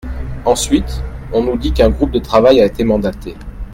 Ensuite, on nous dit qu’un groupe de travail a été mandaté.